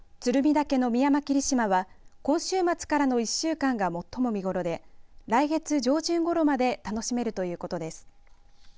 岳のミヤマキリシマは今週末からの１週間が最も見頃で来月上旬ごろまで楽しめるということです。